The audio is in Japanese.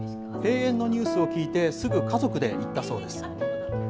閉園のニュースを聞いて、すぐ家族で行ったそうです。